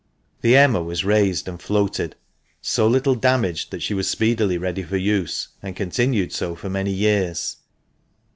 The Emma was raised and floated, so little damaged that she was speedily ready for use, and continued so for many years.